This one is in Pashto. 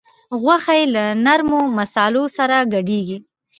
غوښه یې له نرمو مصالحو سره ګډیږي.